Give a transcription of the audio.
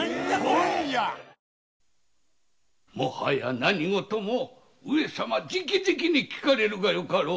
何事も上様じきじきに聞かれるがよかろう。